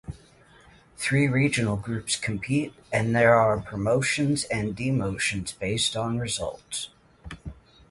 Three regional groups compete and there are promotions and demotions based on results.